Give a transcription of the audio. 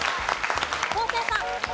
昴生さん。